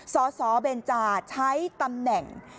สสเบนจาใช้ตำแหน่ง